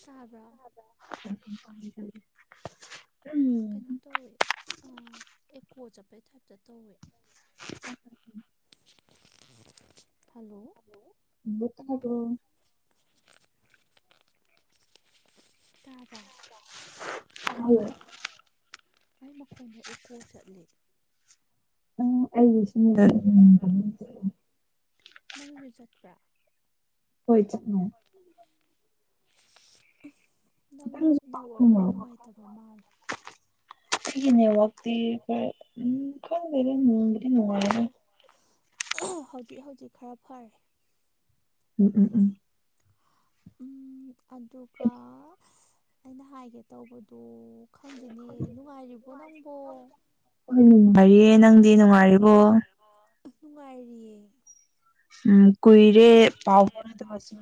ꯁꯥꯕ꯭ꯔꯣ [unintelligible] ꯀꯩꯅꯣ ꯇꯧꯋꯦ ꯑꯥ ꯑꯦꯀꯣ ꯆꯠꯄꯩ ꯇꯥꯏꯞꯇ ꯇꯧꯋꯦ [unintelligible] ꯍꯂꯣ ꯇꯥꯕ꯭ꯔꯣ ꯇꯥꯕꯔ ꯇꯥꯏꯌꯦ ꯑꯩ ꯃꯈꯣꯟꯗꯣ ꯑꯦꯀꯣ ꯆꯠꯂꯦ [unintelligible] ꯅꯪꯒꯤꯁꯨ ꯆꯠꯄ꯭ꯔꯥ ꯍꯣꯏ ꯆꯠꯅꯦ ꯅꯪꯗꯣ ꯈꯤꯇꯪꯁꯨ ꯅꯦꯠꯋꯛ ꯈꯔ ꯅꯨꯡꯉꯥꯏꯇꯕ ꯃꯥꯜꯂꯦ [unintelligible] ꯑꯣꯑꯣ ꯍꯧꯖꯤꯛ ꯍꯧꯖꯤꯛ ꯈꯔ ꯐꯔꯦ ꯎꯝ ꯎꯝ ꯎꯝ ꯎꯝ ꯑꯗꯨꯒ ꯑꯩꯅ ꯍꯥꯏꯒꯦ ꯇꯧꯕꯗꯣ ꯈꯪꯗꯦꯅꯦ ꯅꯨꯡꯉꯥꯏꯔꯤꯕꯣ ꯅꯪꯕꯣ ꯍꯣꯏ ꯅꯨꯡꯉꯥꯏꯔꯤꯌꯦ ꯅꯪꯗꯤ ꯅꯨꯡꯉꯥꯏꯔꯤꯕꯣ ꯑꯍ ꯅꯨꯡꯉꯥꯏꯔꯤꯌꯦ ꯎꯝ ꯀꯨꯏꯔꯦ ꯄꯥꯎ ꯐꯥꯎꯅꯗꯕꯁꯨ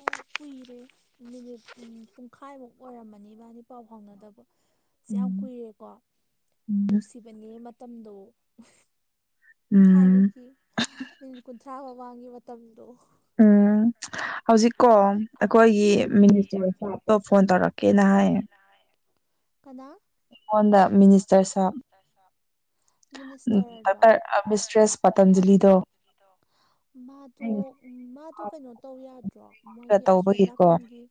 ꯑꯣ ꯀꯨꯏꯔꯦ ꯃꯤꯅꯤꯠ ꯎꯝ ꯄꯨꯡꯈꯥꯏꯃꯨꯛ ꯑꯣꯏꯔꯝꯃꯅꯤ ꯏꯕꯥꯅꯤ ꯄꯥꯎ ꯐꯥꯎꯅꯗꯕ ꯁꯦ ꯌꯥꯝ ꯎꯝ ꯀꯨꯏꯔꯦꯀꯣ ꯅꯨꯡꯁꯤꯕꯅꯦ ꯃꯇꯝꯗꯣ ꯎꯝ ꯊꯥꯏꯅꯒꯤ ꯃꯤꯅꯤꯠ ꯀꯨꯟꯊ꯭ꯔꯥ ꯃꯃꯥꯡꯒꯤ ꯃꯇꯝꯗꯣ ꯎꯝ ꯍꯧꯖꯤꯛ ꯀꯣ ꯑꯩꯈꯣꯏꯒꯤ ꯎꯝ ꯃꯤꯅꯤꯁꯇꯔ ꯁꯥꯕꯇꯣ ꯐꯣꯟ ꯇꯧꯔꯛꯀꯦꯅ ꯍꯥꯏꯌꯦ ꯀꯅꯥ ꯑꯩꯉꯣꯟꯗ ꯃꯤꯅꯤꯁꯇꯔ ꯁꯥꯍꯥꯕ ꯎꯝ ꯃꯤꯅꯤꯁꯇꯔꯗꯣ ꯄꯔꯇꯔ ꯃꯤꯁꯇ꯭ꯔꯦꯁ ꯄꯇꯟꯖꯂꯤꯗꯣ ꯑꯩꯅ ꯃꯥꯗꯣ ꯎꯝ ꯃꯥꯗꯣ ꯀꯩꯅꯣ ꯇꯧ ꯌꯥꯗ꯭ꯔꯣ ꯎ ꯃꯣꯏꯒꯤ ꯑꯁꯣꯝ ꯇꯧꯕꯒꯤꯀꯣ ꯅꯀꯟꯒꯤ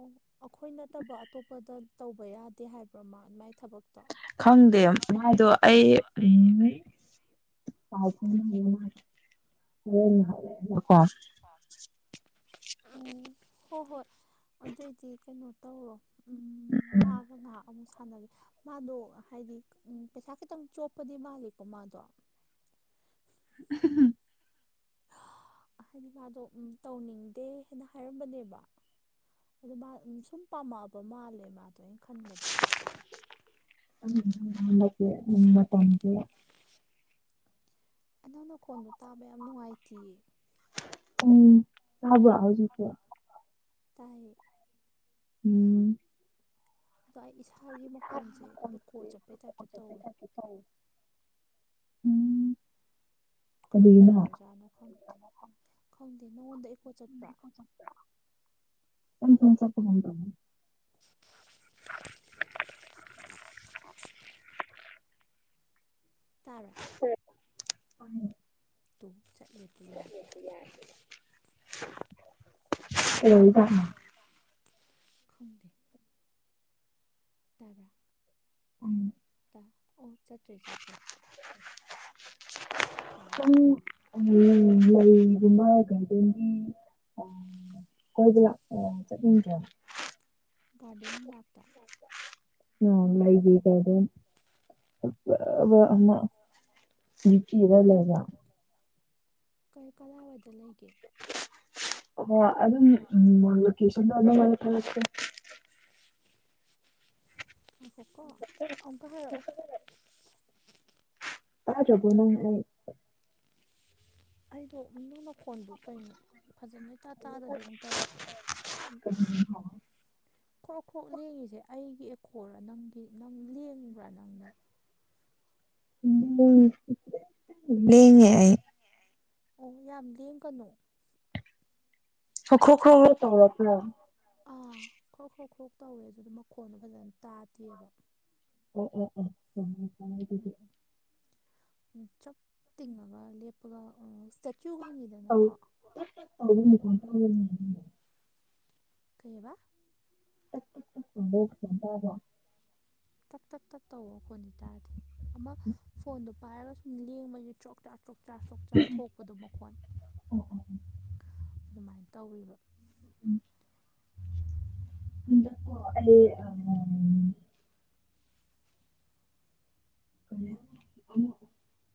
ꯎ ꯑꯈꯣꯏ ꯅꯠꯇꯕ ꯑꯇꯣꯞꯄ ꯇꯣ ꯇꯧꯕ ꯌꯥꯗꯦ ꯍꯥꯏꯕ꯭ꯔꯥ ꯃꯥ ꯃꯥꯏ ꯊꯕꯛꯇꯣ ꯈꯪꯗꯦ ꯃꯥꯗꯣ ꯑꯩ ꯎꯝ [unintelligible] ꯎꯝ ꯍꯣ ꯍꯣꯏ ꯑꯗꯨꯏꯗꯤ ꯀꯩꯅꯣ ꯇꯧꯔꯣ ꯎꯝ ꯃꯥꯒ ꯉꯍꯥꯛ ꯑꯃꯨꯛ ꯁꯥꯟꯅꯔ ꯃꯥꯗꯣ ꯍꯥꯏꯗꯤ ꯎꯝ ꯄꯩꯁꯥ ꯈꯤꯇꯪ ꯆꯣꯞꯄꯗꯤ ꯃꯥꯜꯂꯤꯀꯣ ꯃꯥꯗꯣ [unintelligible] ꯍꯥꯏꯗꯤ ꯃꯥꯗꯣ ꯎꯝ ꯇꯧꯅꯤꯡꯗꯦ ꯍꯦꯅ ꯍꯥꯏꯔꯝꯕꯅꯦꯕ ꯑꯗꯨ ꯃꯥ ꯎꯝꯁꯨꯝ ꯄꯥꯝꯃꯛꯑꯕ ꯃꯥꯜꯂꯦ ꯃꯥꯗꯣ ꯑꯩꯅ ꯈꯟꯕꯗ [unintelligible] ꯅꯪ ꯅꯀꯣꯟꯗꯣ ꯇꯥꯕ ꯌꯥꯝ ꯅꯨꯡꯉꯥꯏꯇꯦꯌꯦ ꯎꯝ ꯊꯕ ꯍꯧꯖꯤꯛꯇ ꯇꯥꯏꯌꯦ ꯎꯝ ꯑꯗꯣ ꯑꯩ ꯏꯁꯥꯒꯤ ꯃꯀꯣꯟꯁꯦ ꯑꯩꯈꯣꯏ ꯀꯣ ꯆꯠꯄꯩ ꯇꯥꯏꯞꯇ ꯇꯧꯋꯦ ꯎꯝ ꯀꯩꯒꯤ ꯀꯔꯤꯒꯤꯅꯣ ꯑꯣꯏꯔꯖꯥꯅꯣ ꯈꯪꯗ ꯈꯪꯗꯦ ꯅꯉꯣꯟꯗ ꯀꯣꯆꯠꯄ꯭ꯔꯥ [unintelligible] ꯇꯥꯕ꯭ꯔꯥ [unintelligible] ꯇꯨꯡ ꯆꯠꯂꯦꯗꯤ ꯌꯥꯗꯦ ꯑꯗꯨ [unintelligible] ꯈꯪꯗꯦ ꯇꯥꯕ꯭ꯔ [unintelligible] ꯑꯣ ꯆꯠꯇ꯭ꯔꯦ ꯆꯠꯇ꯭ꯔꯦ ꯌꯥꯔꯦ ꯁꯨꯝ ꯌꯥꯔꯦ ꯂꯩꯒꯨꯝꯕ ꯒꯥꯔꯗꯦꯟꯒꯤ ꯑ ꯀꯣꯏꯕꯂꯥꯛ ꯑ ꯆꯠꯅꯤꯡꯗ꯭ꯔꫭ ꯒꯥꯔꯗꯦꯟ ꯃꯅꯥꯛꯇ ꯑꯥꯎ ꯂꯩꯒꯤ ꯒꯥꯔꯗꯦꯟ ꯐꯖꯕ ꯎꯝ ꯑꯃ ꯂꯤꯠꯆꯤꯗꫭ ꯅꯪ ꯂꯩꯕ꯭ꯔ ꯀꯩ ꯀꯗꯥꯏꯋꯥꯏꯗ ꯂꯩꯒꯦ ꯑꯣ ꯑꯗꯨꯝ ꯎꯝ ꯂꫭꯀꯦꯁꯟꯗꫭ ꯅꯪꯉꫭꯟꯗ ꯊꯥꯔꯛꯀꯦ ꯉꯥꯏꯈꫭꯀꫭ ꯑꯃꯨꯛꯀ ꯍꯥꯏꯔꯛꯑꫭ ꯇꯥꯗ꯭ꯔꯕꯣ ꯅꯪ ꯑꯩ ꯑꯩꯗꯣ [unintelligible] ꯐꯣꯟꯗꯨ ꯀꯩꯅꯣ ꯐꯖꯅ ꯏꯇꯥ ꯇꯥꯥꯗꯗꯧꯅ ꯇꯧꯋꯦ [inaudible] ꯈ꯭ꯔꯣꯛ ꯈ꯭ꯔꯣꯛ ꯂꯦꯡꯉꯤꯁꯦ ꯑꯩꯒꯤ ꯑꯦꯀꫭꯔꯔ ꯅꯪꯒꯤ ꯅꯪ ꯂꯦꯡꯕ꯭ꯔ ꯅꯪꯗꯣ [unintelligible] ꯂꯦꯡꯉꯦ ꯑꯩ ꯑꯣ ꯌꯥꯝ ꯂꯦꯡꯒꯅꫭ ꯁꯈ꯭ꯔꫭꯛ ꯈ꯭ꯔꫭꯛ ꯇꯧꯔꯛꯄ꯭ꯔ ꯑꯥ ꯈ꯭ꯔꯣꯛ ꯈ꯭ꯔꯣꯛ ꯈ꯭ꯔꯣꯛ ꯇꯧꯋꯦ ꯑꯗꯨꯗ ꯃꯈꯣꯟꯗꯣ ꯐꯖꯅ ꯇꯥꯗꯦꯕ ꯑꯣ ꯑꯣ ꯑꫭ [unintelligible] ꯆꯞ ꯇꯤꯡꯉꯒ ꯂꯦꯄꯒ ꯑ [unintelligible] ꯀꯩꯕ [unintelligible] ꯇꯥꯕ꯭ꯔꫭ ꯇꯠ ꯇꯠ ꯇꯠ ꯇꯧꯋꫭ ꯃꯈꫭꯟꯗꯤ ꯇꯥꯗꯦ ꯑꯃ ꯐꯣꯟꯗꯣ ꯄꯥꯏꯔꯒ ꯁꯨꯝ ꯂꯦꯡꯕꯒꯤ ꯆ꯭ꯔꫭꯛ ꯆꯥꯛ ꯆꯣꯛꯆꯥꯥ ꯆꯣꯛꯆꯥꯥ ꯊꯣꯛꯄꯗꯣ ꯃꯈꯣꯟ ꯑꯣ ꯑꯣ ꯑꯗꯨꯝꯃꯥꯏꯅ ꯇꯧꯋꯤꯕ ꯎꯝ ꯍꯟꯗꯛꯀꫭ ꯑꯩ [unintelligible] [unintelligible]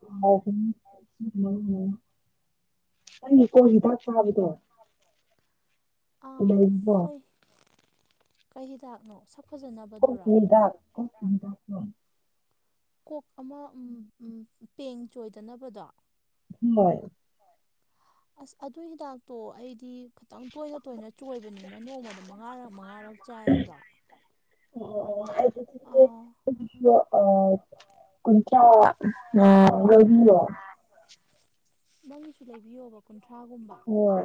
[unintelligible] ꯑꯩꯒꯤ ꯀꫭꯛ ꯍꯤꯗꯥꯛ ꯆꯥꯕꯗꫭ ꯑꯥ ꯂꯩꯕꫭ ꯀꯩ ꯀꯩ ꯍꯤꯗꯥꯛꯅꯣ ꯁꯛ ꯀꯣꯛꯀꯤ ꯐꯖꯅꯕꯗꯨꯔꯣ ꯍꯤꯗꯥꯛ ꯀꯣꯛꯀꯤ ꯍꯤꯗꯥꯛꯇꯣ ꯀꯣꯛ ꯑꯃ ꯎꯝ ꯎꯝ ꯄꯦꯡ ꯆꯣꯏꯗꯅꯕꯗꯣ [unintelligible] ꯑꯁ ꯑꯗꯨ ꯍꯤꯗꯥꯛꯇꯣ ꯑꯩꯗꯤ ꯈꯇꯪ ꯇꯣꯏꯅ ꯇꯣꯏꯅ ꯆꯣꯏꯕꯅꯤꯅ ꯅꯣꯡꯃꯗ ꯃꯉꯥꯔꯛ ꯃꯉꯥꯔꯛ ꯆꯥꯏꯕ [unintelligible] [unintelligible] ꯂꯩꯕꯤꯌꫭ ꯅꯪꯒꯤꯁꯨ ꯂꯩꯕꯤꯌꯣꯕ ꯀꯨꯟꯊ꯭ꯔꯥꯒꯨꯝꯕ ꯍꫭꯏ ꯍꯣꯏ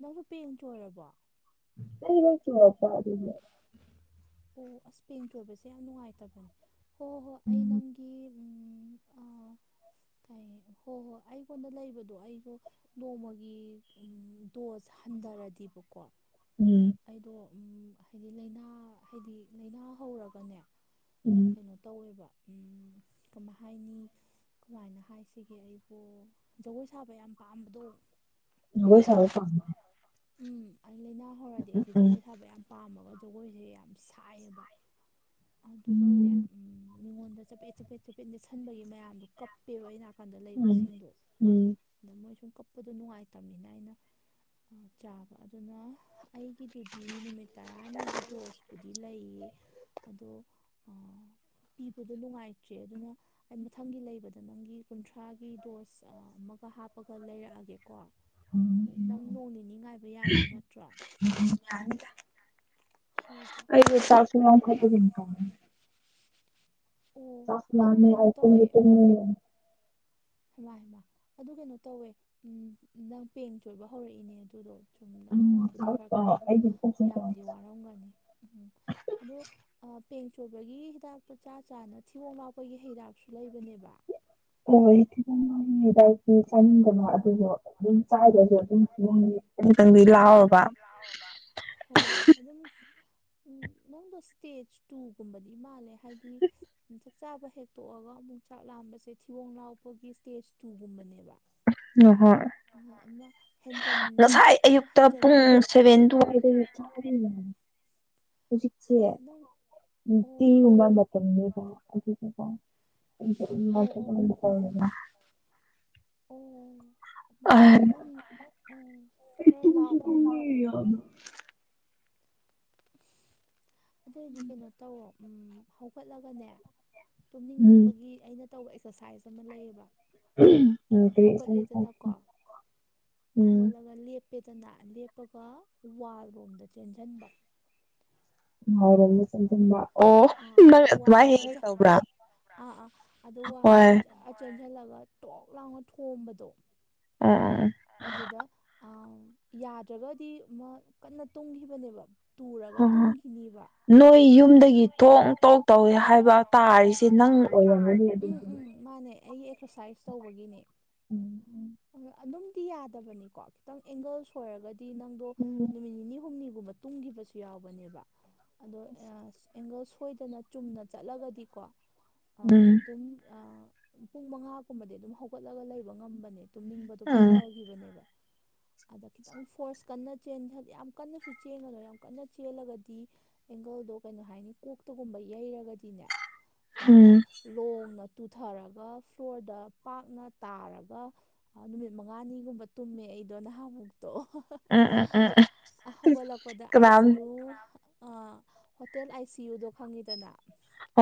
ꯅꯪꯁꯨ ꯄꯦꯡ ꯆꯣꯏꯔꯕꯣ ꯑꯩ ꯅꯠꯇ꯭ꯔꯣ ꯆꯥꯗꯣꯢꯁꯦ ꯑꯣ ꯑꯁ ꯄꯦꯡ ꯆꯣꯏꯕꯁꯦ ꯌꯥꯝ ꯅꯨꯡꯉꯥꯏꯇꯕꯅꯦ ꯍꯣ ꯍꯣꯏ ꯑꯩ ꯎꯝ ꯅꯪꯒꯤ ꯎꯝ ꯑꯥ ꯀꯩ ꯍꯣ ꯍꯣꯏ ꯑꯩꯉꯣꯟꯗ ꯂꯩꯕꯗꯣ ꯑꯩꯗꯣ ꯅꯣꯡꯃꯒꯤ ꯎ ꯗꯣꯁ ꯍꯟꯊꯔꯗꯤꯕꯀꯣ ꯎꯝ ꯑꯩꯗꯣ ꯎꯝ ꯍꯥꯏꯗꯤ ꯂꯩꯅꯥ ꯍꯥꯏꯗꯤ ꯂꯥꯏꯅꯥ ꯍꯧꯔꯒꯅꯦ ꯎꯝ ꯀꯩꯅꯣ ꯇꯧꯋꯦꯕ ꯎꯝ ꯀꯃꯥꯏ ꯍꯥꯏꯅꯤ ꯀꯃꯥꯏꯅ ꯍꯥꯏꯁꯤꯒꯦ ꯑꯩ ꯑꯣ ꯖꯒꯣꯏ ꯁꯥꯕ ꯌꯥꯝ ꯄꯥꯝꯕꯗꯣ ꯖꯒꯣꯢ ꯁꯥꯕ ꯄꯥꯝꯕ ꯎꯝ ꯑꯩ ꯂꯩꯅ ꯍꯧꯔꯗꯤ ꯑꯩꯁꯦ ꯎꯝ ꯖꯒꯣꯏ ꯁꯥꯕ ꯌꯥꯝ ꯄꯥꯝꯃꯒ ꯖꯒꯣꯏꯁꯦ ꯌꯥꯝ ꯁꯥꯏꯌꯦꯕ ꯑꯗꯨꯒꯅꯦ ꯎꯝ ꯃꯤꯉꯣꯟꯗ ꯆꯄꯦꯠ ꯆꯄꯦꯠ ꯆꯄꯦꯠ ꯅꯦꯠꯁꯟꯕꯒꯤ ꯃꯌꯥꯝꯗꯣ ꯀꯞꯄꯦꯕ ꯑꯩ ꯅꯥꯀꯟꯗ ꯁꯤꯡꯗꯣ ꯎꯝ ꯑꯗ ꯃꯣꯏ ꯁꯨꯝ ꯀꯞꯄꯗꯣ ꯅꯨꯡꯉꯥꯏꯇꯕꯅꯤꯅ ꯑꯩꯅ ꯆꯥꯕ ꯑꯗꯨꯅ ꯑꯩꯒꯤꯗꯨꯗꯤ ꯅꯨꯃꯤꯠ ꯇꯔꯥꯅꯤꯒꯤ ꯗꯣꯁꯄꯨꯗꯤ ꯂꯩꯌꯦ ꯑꯗꯣ [inaudible] ꯄꯤꯕꯗꯣ ꯅꯨꯡꯉꯥꯏꯇ꯭ꯔꯦ ꯑꯗꯨꯅ ꯑꯩ ꯃꯊꯪꯒꯤ ꯂꯩꯕꯗ ꯅꯪꯒꯤ ꯀꯨꯟꯊ꯭ꯔꯥꯒꯤ ꯇꯣꯁ ꯑꯃꯒ ꯍꯥꯞꯄꯒ ꯂꯩꯔꯛꯑꯒꯦꯀꯣ ꯎꯝ ꯅꯪ ꯅꯣꯡ ꯅꯤꯅꯤ ꯉꯥꯏꯕ ꯌꯥꯗꯣꯏ ꯅꯠꯇ꯭ꯔꯣ ꯍꯣꯏ ꯍꯣꯏ ꯑꯩ ꯁꯦ ꯆꯥꯛꯁꯨ ꯂꯥꯝꯈꯠꯄꯒꯨꯝ ꯇꯧꯋꯦ ꯑꯣ ꯆꯥꯛꯁꯨ ꯑꯗꯣ ꯂꯥꯝꯃꯦ ꯀꯩꯅꯣ ꯑꯩ ꯇꯨꯝꯁꯨ ꯇꯨꯝꯅꯤꯡꯉꯦ ꯍꯩꯃ ꯍꯩꯃ ꯑꯗꯨ ꯀꯩꯅꯣ ꯇꯧꯋꯦ ꯅꯪ ꯄꯦꯡ ꯆꯣꯏꯕ ꯍꯧꯔꯛꯏꯅꯦ ꯑꯗꯨꯗꯣ ꯁꯨꯝ ꯅꯪ ꯑꯝ ꯍꯧꯕꯨꯗꯤ ꯈꯔ ꯈꯔꯗꯤ ꯍꯧ ꯌꯥꯝꯗꯤ ꯋꯥꯔꯝꯒꯅꯤ ꯎꯝꯝ ꯑꯗꯣ ꯑ ꯄꯦꯡ ꯆꯣꯏꯕꯒꯤ ꯍꯤꯗꯥꯛꯇꯨ ꯆꯥ ꯆꯥꯅ ꯊꯤꯕꯣꯡ ꯂꯥꯎꯕꯒꯤ ꯍꯤꯗꯥꯛꯁꯨ ꯂꯩꯕꯅꯦꯕ ꯍꯣꯏ ꯊꯤꯕꯣꯡ ꯂꯥꯎꯕꯩ ꯍꯤꯗꯥꯛꯇꯨ ꯆꯥꯅꯤꯡꯗꯕ ꯑꯥ ꯑꯗꯨꯗꯣ ꯑꯗꯨꯝ ꯆꯥꯏꯗꯁꯨ ꯑꯗꯨꯝ ꯊꯤꯕꯣꯡꯗꯤ ꯈꯤꯇꯪ ꯈꯤꯇꯪꯗꯤ ꯂꯥꯎ ꯂꯥꯎꯔꯕ ꯍꯣꯢ ꯑꯗꯨꯝ ꯎꯝ ꯅꯪꯗꯣ ꯏꯁꯇꯦꯖ ꯇꯨꯒꯨꯝꯕꯗꯤ ꯃꯥꯜꯂꯦ ꯍꯥꯏꯗꯤ ꯆꯥꯕ ꯍꯦꯛꯇꯣꯛꯑꯒ ꯑꯃꯨꯛ ꯆꯥꯛ ꯂꯥꯝꯕꯁꯦ ꯊꯤꯕꯣꯡ ꯂꯥꯎꯕꯒꯤ ꯏꯁꯇꯦꯖ ꯇꯨꯒꯨꯝꯕꯅꯦꯕ ꯍꯣꯏ ꯑꯝꯍꯝ ꯍꯦꯟꯖꯦꯟ ꯉꯁꯥꯏ ꯈꯔ ꯑꯌꯨꯛꯇ ꯍꯦꯟꯖꯟ ꯄꯨꯡ ꯁꯦꯚꯦꯟ ꯗꯨ ꯋꯥꯏꯗꯒꯤ ꯆꯥꯔꯦ ꯍꯧꯖꯤꯛꯁꯦ ꯍꯥ ꯅꯪ ꯑꯣ ꯇꯤꯟꯒꯨꯝꯕ ꯃꯇꯝꯅꯦꯕ ꯑꯗꯨꯕꯨꯀꯣ ꯑꯩꯁꯨ ꯑꯗꯨꯃꯥꯏ ꯑꯣ ꯑꯣ ꯊꯕꯛ ꯑꯣ ꯑꯃ ꯇꯧꯔꯕ ꯑꯣ ꯍꯩꯃꯥ ꯑꯩ ꯅꯪ ꯄꯨꯡ ꯇꯔꯦꯠ ꯇꯨꯝꯁꯨ ꯇꯨꯝꯃꯦ ꯂꯥꯛꯄꯅꯤꯅ ꯌꯥꯝꯅ ꯑꯗꯨꯑꯣꯏꯗꯤ ꯀꯩꯅꯣ ꯇꯧꯔꯣ ꯍꯣꯠꯂꯒꯅꯦ ꯎꯝ ꯇꯨꯝꯅꯤꯡꯕꯒꯤ ꯑꯩꯅ ꯇꯧꯕ ꯑꯦꯛꯁꯔꯁꯥꯏꯖ ꯑꯃ ꯂꯩꯌꯦꯕ ꯑꯝ ꯍꯧꯒꯠꯂꯦꯗꯅꯀꯣ [unintelligible] ꯎꯝ ꯄꯦꯗꯅꯥ ꯂꯦꯞꯄꯒ ꯋꯥꯜꯔꯣꯝꯗ ꯆꯦꯟꯖꯟꯕ ꯅꯨꯉꯥꯏꯔꯕꯅꯤꯅ ꯆꯦꯟꯁꯟꯕ ꯑꯣ ꯑꯥ ꯅꯪ ꯋꯥꯜ ꯑꯗꯨꯃꯥꯢ ꯍꯦꯛ ꯍꯦꯛ ꯂꯩꯕꯁꯦ ꯇꯧꯕ꯭ꯔꯥ ꯑꯥ ꯑꯥ ꯑꯗꯣ ꯋꯥꯜꯗ ꯍꯣꯏ ꯖꯔ ꯆꯦꯟꯖꯜꯂꯒ ꯇꯣꯛ ꯂꯥꯎꯅ ꯊꯣꯝꯕꯗꯣ ꯑꯝ ꯑ ꯌꯥꯗ꯭ꯔꯒꯗꯤ ꯑꯃ ꯀꯟꯅ ꯇꯨꯝꯈꯤꯕꯅꯦꯕ ꯇꯨꯔꯒ ꯇꯨꯝꯈꯤꯅꯤꯕ ꯑꯩ ꯌꯨꯝꯗꯒꯤ ꯊꯣꯡ ꯇꯣꯛ ꯇꯧꯏꯦ ꯍꯥꯏꯕ ꯇꯥꯔꯤꯁꯦ ꯅꯪ ꯑꯣꯏꯔꯝꯒꯅꯤ ꯑꯗꯨꯗꯤ ꯑꯩ ꯑꯦꯛꯁꯔꯁꯥꯏꯁ ꯇꯧꯕꯒꯤꯅꯤ ꯎꯝ ꯑꯗꯨꯝ ꯇꯤ ꯌꯥꯗꯕꯅꯤꯀꯣ ꯈꯤꯇꯪ ꯑꯦꯡꯒꯜ ꯑꯣꯏꯔꯒꯗꯤ ꯅꯪꯗꯣ ꯎꯝ ꯅꯨꯃꯤꯠ ꯅꯤꯅꯤ ꯍꯨꯝꯅꯤ ꯇꯨꯡꯈꯤꯕꯁꯨ ꯌꯥꯎꯕꯅꯦꯕ ꯑꯗꯣ ꯑꯁ ꯑꯦꯡꯒꯜ ꯁꯣꯏꯗꯅ ꯆꯨꯝꯅ ꯆꯠꯂꯒꯗꯤꯀꯣ ꯎꯝ ꯑꯗꯨꯝ ꯄꯨꯡ ꯃꯉꯥꯒꯨꯝꯕꯗꯤ ꯑꯗꯨꯝ ꯍꯧꯒꯠꯂꯒ ꯂꯩꯕ ꯉꯝꯕꯅꯦ ꯇꯨꯝꯅꯤꯡꯕꯗꯣ ꯎꯝ ꯐꯈꯤꯕꯅꯦꯕ [unintelligible] ꯑꯗ ꯈꯤꯇꯪ ꯐꯣꯔꯁ ꯀꯟꯅ ꯌꯥꯝ ꯀꯟꯅꯁꯨ ꯆꯦꯟꯒꯅꯣꯏ ꯌꯥꯝ ꯀꯟꯅ ꯆꯦꯜꯂꯒꯗꯤ ꯑꯦꯡꯒꯜꯗꯣ ꯀꯩꯅꯣ ꯍꯥꯏꯅꯤ ꯀꯣꯛꯇꯒꯨꯝꯕ ꯌꯩꯔꯒꯗꯤꯅꯦ ꯁꯨꯃꯥꯏꯅ ꯂꯣꯡꯅ ꯇꯨꯊꯔꯒ [inaudible] ꯐ꯭ꯂꯣꯔꯗ ꯄꯥꯛꯅ ꯇꯥꯔꯒ ꯅꯨꯃꯤꯠ ꯃꯉꯥꯅꯤꯒꯨꯝꯕ ꯇꯨꯝꯃꯦ ꯑꯩꯗꯣ ꯅꯍꯥꯃꯨ ꯎꯝ ꯎꯝ ꯎꯝ ꯎꯝ ꯎꯝ [unintelligible] ꯍꯧꯒꯠꯂꯛꯄꯗ ꯑꯥꯏ ꯀꯅꯥꯝ ꯁꯤ U ah hotel I C ꯌꯨꯗꯣ ꯈꯪꯉꯤꯗꯅ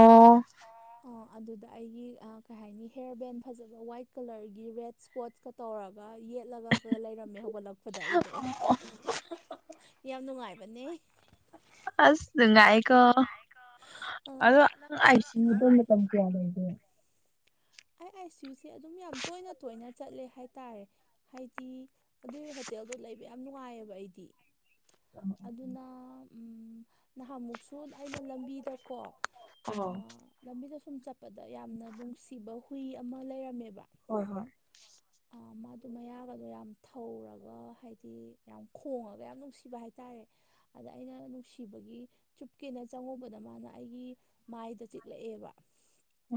ꯑꯣ ꯑꯣ ꯑꯗꯨꯗ ꯑꯩꯒꯤ ꯀꯩ ꯍꯥꯏꯅꯤ ꯍꯦꯔ ꯕꯦꯟ ꯐꯖꯕ ꯋꯥꯏꯠ ꯀꯂꯔꯒꯤ ꯔꯦꯗ ꯁ꯭ꯄꯣꯠꯀ ꯇꯧꯔꯒ ꯌꯦꯠꯂꯒ ꯂꯩꯔꯝꯃꯦ ꯍꯧꯒꯠꯂꯛꯄꯗ ꯑꯩꯗꯣ ꯌꯥꯝ ꯅꯨꯡꯉꯥꯏꯕ ꯕꯅꯦ ꯑꯁ ꯅꯨꯡꯉꯥꯏꯀꯣ ꯑꯥ ꯑꯗ ꯅꯪ ꯑꯥꯏ ꯁꯤ ꯌꯨꯗ ꯃꯇꯝ ꯀꯌꯥ ꯂꯩꯒꯦ ꯑꯥꯏ ꯑꯥꯏ ꯁꯤ ꯌꯨꯁꯦ ꯑꯗꯨꯝ ꯌꯥꯝ ꯇꯣꯏꯅ ꯇꯣꯏꯅ ꯆꯠꯂꯦ ꯍꯥꯏꯇꯥꯔꯦ ꯍꯥꯏꯗꯤ ꯑꯗꯨꯏ ꯍꯣꯇꯦꯜꯗꯣ ꯂꯩꯕ ꯌꯥꯝ ꯅꯨꯡꯉꯥꯏꯌꯦꯕ ꯑꯩꯗꯤ ꯑꯗꯨꯅ ꯎꯝ ꯅꯍꯥꯟꯃꯨꯛꯁꯨ ꯑꯩꯅ ꯂꯝꯕꯤꯗꯀꯣ ꯑꯣ ꯂꯝꯕꯤꯗꯁꯨ ꯁꯨꯝ ꯆꯠꯄꯗ ꯌꯥꯝꯅ ꯅꯨꯡꯁꯤꯕ ꯍꯨꯏ ꯑꯃ ꯂꯩꯔꯝꯃꯦꯕ ꯍꯣꯏ ꯍꯣꯏ ꯃꯥꯗꯨ ꯃꯌꯥꯕꯗꯣ ꯌꯥꯝ ꯊꯧꯔꯒ ꯍꯥꯏꯗꯤ ꯌꯥꯝ ꯈꯣꯡꯉꯒ ꯌꯥꯝ ꯅꯨꯡꯁꯤꯕ ꯍꯥꯏꯇꯥꯔꯦ ꯑꯗ ꯑꯩꯅ ꯅꯨꯡꯁꯤꯕꯒꯤ ꯆꯨꯞꯀꯦꯅ ꯆꯪꯉꯨꯕꯗ ꯃꯥꯅ ꯑꯩꯒꯤ ꯃꯥꯏꯗ ꯆꯤꯛꯂꯛꯑꯦꯕ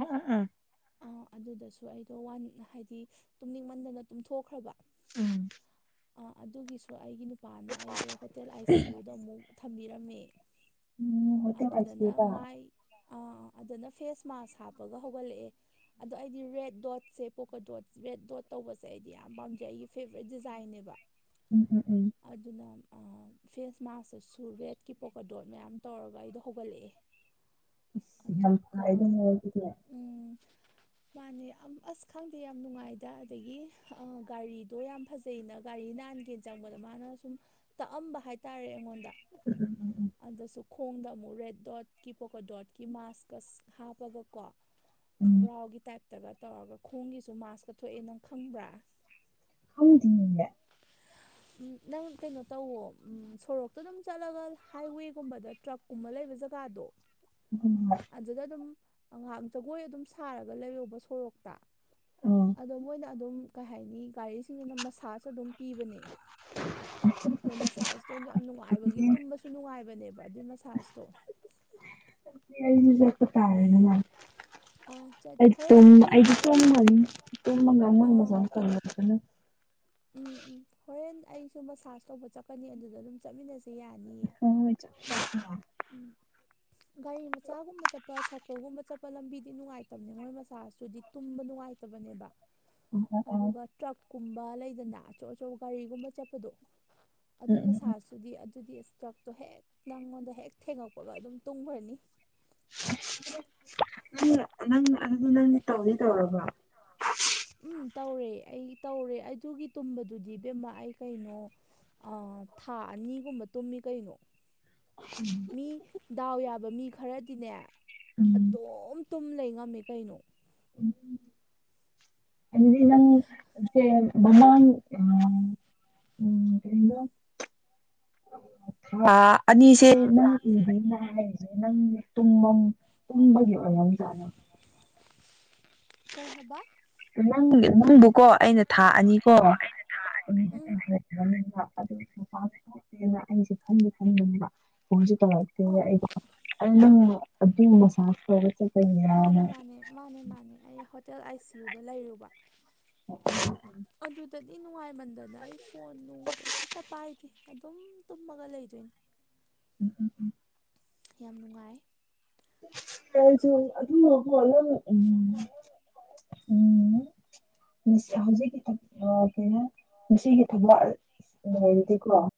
ꯑꯥ ꯑꯥ ꯑꯥ ꯑꯗꯨꯗꯁꯨ ꯑꯩꯗꯣ ꯋꯥꯟ ꯍꯥꯏꯗꯤ ꯇꯨꯝꯅꯤꯡꯃꯟꯗꯅ ꯇꯨꯝꯊꯣꯛꯈ꯭ꯔꯕ ꯎꯝ ꯑꯥ ꯑꯗꯨꯒꯤꯁꯨ ꯑꯩꯒꯤ ꯅꯨꯄꯥꯅ ꯑꯩꯗꯣ ꯍꯣꯇꯦꯜ ꯑꯥꯏ ꯁꯤ ꯌꯨꯗꯣ ꯑꯃꯨꯛ ꯊꯝꯕꯤꯔꯝꯃꯦ ꯎꯝ ꯍꯣꯇꯦꯜ ꯑꯥꯏ ꯁꯤ ꯑꯗꯨꯗꯅ ꯌꯨꯗ ꯃꯥꯏ ꯑꯥ ꯑꯥ ꯑꯗꯨꯅ ꯐꯦꯁ ꯃꯥꯛꯁ ꯍꯥꯞꯄꯒ ꯍꯧꯒꯠꯂꯛꯑꯦ ꯑꯗꯣ ꯑꯩꯗꯤ ꯔꯦꯠ ꯗꯣꯠꯁꯦ ꯄꯣꯀꯣ ꯗꯣꯠ ꯔꯦꯠ ꯗꯣꯠ ꯇꯧꯕꯁꯦ ꯑꯩꯗꯤ ꯌꯥꯝ ꯄꯥꯝꯖꯩ ꯑꯩꯒꯤ ꯐꯦꯕꯣꯔꯥꯏꯠ ꯗꯤꯖꯥꯏꯟꯅꯦꯕ ꯎꯝ ꯎꯝ ꯎꯝ ꯑꯗꯨꯅ ꯐꯦꯁ ꯃꯥꯛꯁꯇꯁꯨ ꯔꯦꯠꯀꯤ ꯄꯣꯀꯗꯣꯠ ꯃꯌꯥꯝ ꯇꯧꯔꯒ ꯑꯩꯗꯣ ꯍꯧꯒꯠꯂꯛꯑꯦ ꯑꯁ ꯌꯥꯝ ꯐꯥꯏ ꯑꯗꯨꯒ ꯑꯗꯨꯅꯦ ꯑꯗꯨꯗꯤ ꯎꯝ ꯃꯥꯅꯦ ꯑꯁ ꯈꯪꯗꯦ ꯌꯥꯝ ꯅꯨꯡꯉꯥꯏꯗ ꯑꯗꯒꯤ ꯑ ꯒꯥꯔꯤꯗꯣ ꯌꯥꯝ ꯐꯖꯩꯅ ꯒꯥꯔꯤ ꯅꯥꯟꯒꯦꯅ ꯆꯪꯕꯗ ꯃꯥꯅ ꯁꯨꯝ ꯇꯛꯑꯝꯕ ꯍꯥꯏ ꯍꯥꯏ ꯇꯔꯦ ꯑꯩꯉꯣꯟꯗ ꯎꯝ ꯎꯝ ꯑꯗꯨꯗꯁꯨ ꯈꯣꯡꯗ ꯑꯃꯨꯛ ꯔꯦꯗ ꯗꯣꯠꯀꯤ ꯄꯣꯀꯣ ꯗꯣꯠꯀꯤ ꯃꯥꯁꯀ ꯍꯥꯞꯄꯒ ꯀꯣ ꯎꯝ ꯈꯣꯡꯒ꯭ꯔꯥꯎꯒꯤ ꯇꯥꯏꯞꯇꯒ ꯇꯧꯔꯒ ꯈꯣꯡꯒꯤꯁꯨ ꯃꯥꯁꯀ ꯊꯣꯛꯑꯦ ꯅꯪ ꯈꯪꯕ꯭ꯔꯥ ꯈꯡꯗꯤꯌꯦ ꯅꯪ ꯀꯩꯅꯣ ꯇꯧꯋꯣ ꯁꯣꯔꯣꯛꯇ ꯑꯗꯨꯝ ꯆꯠꯂꯒ ꯍꯥꯏꯋꯦꯒꯨꯝꯕꯗ ꯇ꯭ꯔꯛꯀꯨꯝꯕ ꯂꯩꯕ ꯖꯒꯥꯗꯣ ꯍꯣꯏ ꯍꯣꯏ ꯑꯗꯨꯗ ꯑꯗꯨꯝ ꯉꯍꯥꯛ ꯖꯒꯣꯏ ꯑꯗꯨꯝ ꯁꯥꯔꯒ ꯂꯩꯔꯨꯕ ꯁꯣꯔꯣꯛꯇ ꯑꯥ ꯑꯗꯣ ꯃꯣꯏꯅ ꯑꯗꯨꯝ ꯀꯩ ꯍꯥꯏꯅꯤ ꯒꯥꯔꯤꯁꯤꯡꯁꯤꯅ ꯃꯁꯥꯖ ꯑꯗꯨꯝ ꯄꯤꯕꯅꯦ ꯑꯗꯣ ꯃꯁꯥꯁꯨꯇ ꯌꯥꯝ ꯅꯨꯡꯉꯥꯏꯕꯒꯤ ꯑꯗꯨꯗꯤ ꯇꯨꯝꯕꯁꯨ ꯅꯨꯡꯉꯥꯏꯕ ꯅꯦꯕ ꯑꯗꯨꯏ ꯃꯁꯥꯖꯇꯣ ꯑꯩꯖꯨ ꯆꯠꯞ ꯇꯥꯔꯦꯗꯅ ꯑꯥ ꯆꯠ ꯑꯩ ꯍꯣꯔꯦꯟ ꯇꯨꯝꯕ ꯑꯩ ꯑꯩꯗꯤ ꯇꯨꯝꯃꯅꯤ ꯇꯨꯝꯕ ꯑ ꯉꯝꯃꯣꯏ ꯃꯁꯥꯁ ꯇꯧꯅꯕꯗꯨꯅ ꯎꯝ ꯎꯝ ꯍꯣꯔꯦꯟ ꯑꯩ ꯁꯨ ꯃꯁꯥꯁ ꯇꯧꯕ ꯆꯠꯀꯅꯤ ꯑꯗꯨꯗ ꯑꯗꯨꯝ ꯆꯠꯃꯤꯟꯅꯁꯦ ꯌꯥꯏ ꯍꯣ ꯍꯣꯏ ꯆꯠꯃꯤꯟꯅꯖꯦ ꯎꯝ ꯒꯥꯔꯤ ꯃꯆꯥꯒꯨꯝꯕ ꯆꯠꯄ ꯁꯥꯏꯀꯜꯒꯨꯝꯕ ꯆꯠ ꯄ ꯂꯝꯕꯤꯗꯤ ꯅꯨꯡꯉꯥꯏꯇꯕꯅꯦ ꯃꯣꯏ ꯃꯁꯥꯁꯇꯨꯗꯤ ꯇꯨꯝꯕ ꯅꯨꯡꯉꯥꯏꯇꯕꯅꯦꯕ ꯑꯗꯨꯒ ꯇ꯭ꯔꯛꯀꯨꯝꯕ ꯂꯩꯗꯅ ꯑꯆꯧ ꯑꯆꯧꯕ ꯒꯥꯔꯤꯒꯨꯝꯕ ꯆꯠꯄꯗꯣ ꯑꯗꯨꯏ ꯃꯁꯥꯁꯇꯨꯗꯤ ꯑꯗꯨꯗꯤ ꯇ꯭ꯔꯛꯇꯣ ꯍꯦꯛ ꯅꯪꯉꯣꯟꯗ ꯍꯦꯛ ꯊꯦꯡꯉꯛꯄꯒ ꯑꯗꯨꯝ ꯇꯨꯝꯒ꯭ꯔꯅꯤ ꯅꯪ ꯅꯪ ꯑꯗꯨ ꯅꯪꯗꯤ ꯇꯧꯗꯤ ꯇꯧꯔꯕꯥ ꯎꯝ ꯇꯧꯔꯦ ꯑꯩ ꯇꯧꯔꯦ ꯑꯗꯨꯒꯤ ꯇꯨꯝꯕꯗꯨꯗꯤ ꯏꯕꯦꯝꯃꯥ ꯑꯩ ꯀꯩꯅꯣ ꯑ ꯊꯥ ꯑꯅꯤꯒꯨꯝꯕ ꯇꯨꯝꯃꯤ ꯀꯩꯅꯣ ꯃꯤ ꯗꯥꯎ ꯌꯥꯕ ꯃꯤ ꯈꯔꯗꯤꯅꯦ ꯎꯝ ꯑꯗꯨꯝ ꯇꯨꯝ ꯂꯩ ꯉꯝꯃꯦ ꯀꯩꯅꯣ ꯎ ꯑꯗꯨꯗꯤ ꯅꯪ ꯖꯦꯜ ꯃꯃꯥꯡ ꯑ ꯎꯝ ꯀꯩꯕ ꯊꯥ ꯑꯅꯤꯁꯦ ꯅꯪ ꯎꯗꯦꯅꯦ ꯍꯥꯏꯖꯦ ꯅꯪ ꯇꯨꯝꯃꯝ ꯇꯨꯝꯕꯒꯤ ꯑꯣꯏꯔꯝꯖꯥꯠꯅꯦ ꯀꯩ ꯍꯥꯏꯕ ꯅꯪ ꯅꯪꯕꯨꯀꯣ ꯑꯩꯅ ꯊꯥ ꯑꯅꯤꯀꯣ ꯑꯩꯅ ꯊꯥ ꯑꯅꯤ ꯎꯝ [unintelligible] ꯑꯗꯨ ꯃꯄꯥꯟꯁꯨ ꯊꯣꯛꯇꯦꯅ ꯑꯩꯖꯦ ꯈꯟꯗꯤ ꯈꯟꯕꯅꯦꯕ ꯀꯣꯜꯖꯨ ꯇꯧꯔꯛꯇꯦ ꯑꯣ ꯑꯩꯗꯣ ꯑꯩꯅ ꯑꯗꯨ ꯃꯁꯥꯥꯁ ꯇꯧꯕ ꯆꯠ ꯗꯣ ꯌꯥꯝꯅ ꯃꯥꯅꯦ ꯃꯥꯅꯦ ꯃꯥꯅꯦ ꯃꯥꯅꯦ ꯑꯩ ꯍꯣꯇꯦꯜ ꯑꯥꯏ ꯁꯤ ꯌꯨꯗ ꯂꯩꯔꯨꯕ ꯑꯗꯨꯗꯒꯤ ꯅꯨꯡꯉꯥꯏ ꯃꯟꯗꯅ ꯑꯩ ꯐꯣꯟ ꯅꯨꯡ ꯀꯩꯝꯇ ꯄꯥꯏꯗꯦ ꯑꯗꯨꯝ ꯇꯨꯝꯃꯒ ꯂꯩꯗꯣꯏꯅꯤ ꯎꯝ ꯎ ꯎ ꯌꯥꯝ ꯅꯨꯡꯉꯥꯏ ꯑꯩꯖꯨ ꯑꯗꯨꯅꯀꯣ ꯅꯪ ꯎꯝ ꯎꯝ ꯍꯧꯖꯤꯛ ꯈꯤꯇꯪ ꯑ ꯀꯩꯅꯣ ꯉꯁꯤꯒꯤ ꯊꯕꯛ ꯂꯣꯏꯔꯗꯤꯀꯣ